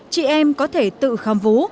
chị em có thể tự khám